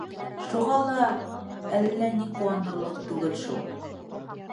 Шуға ла әллә ни ҡыуанырлыҡ түгел шул.